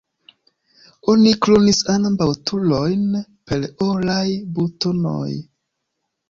Oni kronis ambaŭ turojn per oraj butonoj.